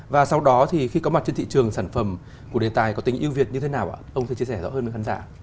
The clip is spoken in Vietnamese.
và sau đó thì khi có mặt trên thị trường sản phẩm của đề tài có tính yêu việt như thế nào ạ ông có thể chia sẻ rõ hơn với khán giả